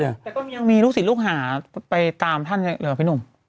แต่ก็ยังมีลูกศิษย์ลูกหาไปตามท่านเหรอพี่หนุ่ม